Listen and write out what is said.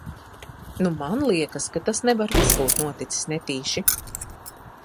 Nu, man liekas, ka tas nevar vis būt noticis netīši.